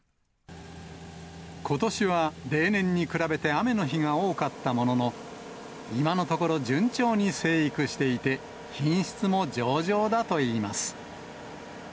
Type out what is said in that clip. ことしは例年に比べて雨の日が多かったものの、今のところ順調に生育していて、品質も上々だといいます。